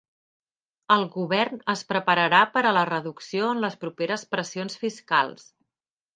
El govern es prepararà per a la reducció en les properes pressions fiscals.